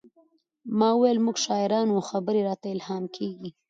ما وویل موږ شاعران یو او خبرې راته الهام کیږي